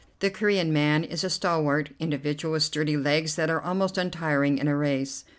The Corean man is a stalwart individual with sturdy legs that are almost untiring in a race.